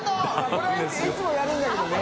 海譴辰いつもやるんだけどね。